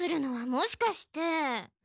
もしかして？